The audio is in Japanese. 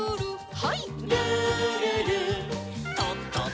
はい。